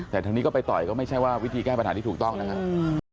แต่ทางนี้ก็ไปต่อยก็ไม่ใช่ว่าวิธีแก้ปัญหาที่ถูกต้องนะครับ